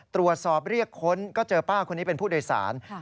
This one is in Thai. ตรวจสอบเรียกค้นก็เจอป้าคนนี้เป็นผู้โดยสาร